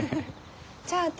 じゃあ私。